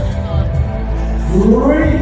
สโลแมคริปราบาล